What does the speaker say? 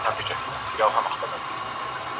ما مخکي ليکنه کړې وه.